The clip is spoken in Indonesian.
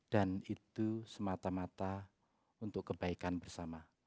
dan itu semata mata untuk kebaikan bersama